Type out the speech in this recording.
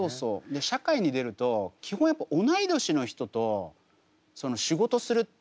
で社会に出ると基本やっぱ同い年の人と仕事するってほぼないんですよね。